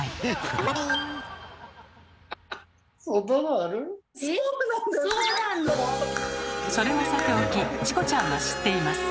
それはさておきチコちゃんは知っています。